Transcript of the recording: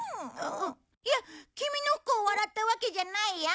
いやキミの不幸を笑ったわけじゃないよ。